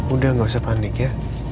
udah gak usah panik ya